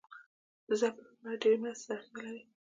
د ځپلو لپاره ډیرې مرستې ته اړتیا لري.